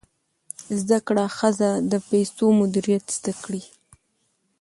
زده کړه ښځه د پیسو مدیریت زده کړی.